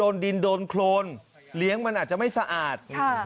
และสะอาด